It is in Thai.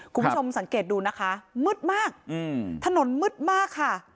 คุณผู้ชมสังเกตดูนะคะมืดมากถนนมืดมากค่ะ